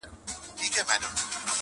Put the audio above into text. دلته بله محکمه وي فیصلې وي،